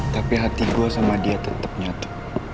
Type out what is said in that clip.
tapi hati gue sama dia tetep nyatu